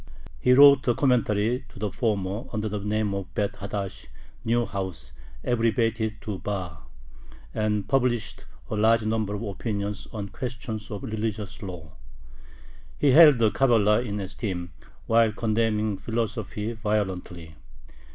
He wrote a commentary to the former under the name of Beth Hadash ("New House," abbreviated to BaH), and published a large number of opinions on questions of religious law. He held the Cabala in esteem, while condemning philosophy violently.